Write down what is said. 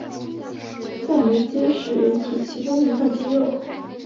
降眉肌是人体其中一块肌肉。